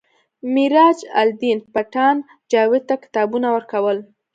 میراج الدین پټان جاوید ته کتابونه ورکول